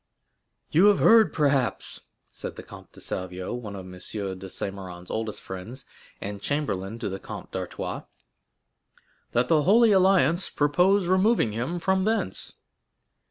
"You have heard, perhaps," said the Comte de Salvieux, one of M. de Saint Méran's oldest friends, and chamberlain to the Comte d'Artois, "that the Holy Alliance purpose removing him from thence?"